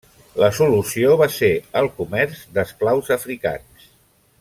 La solució va ser el comerç d'esclaus africans.